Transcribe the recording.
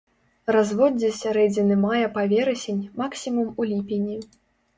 Разводдзе з сярэдзіны мая па верасень, максімум у ліпені.